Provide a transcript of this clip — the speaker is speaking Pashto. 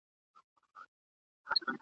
هر یو غشی چي واریږي زموږ له کور دی !.